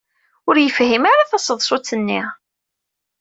Ur yefhim ara taseḍsut-nni.